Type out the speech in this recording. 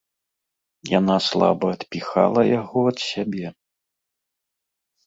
Яна слаба адпіхала яго ад сябе.